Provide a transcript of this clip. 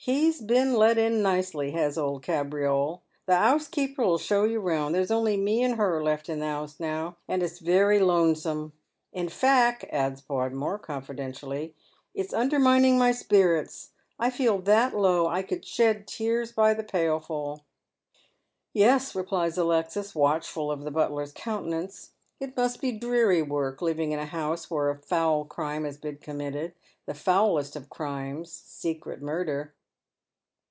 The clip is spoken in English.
He's been let in nicely, has old Kabriole. The 'ousekeeper '11 show you round. There's only me and her left in the 'ouse now, and it's very lone Boiue. In fack," adds Podmore, confidentially, " it's undermining my sy:iirits. I feel that low, I could shed tears by the pailful." " Yes," replies Alexis, watchful of the butler's countenance. " It must be dreary work living in a house where a foul crime has been committed — the foulest of crimes, secret murder."